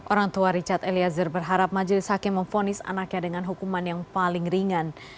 orang tua richard eliezer berharap majelis hakim memfonis anaknya dengan hukuman yang paling ringan